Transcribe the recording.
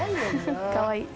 かわいい。